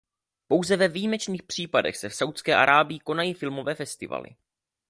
Pouze ve výjimečných případech se v Saúdské Arábii konají filmové festivaly.